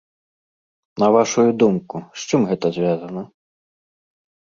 На вашую думку, з чым гэта звязана?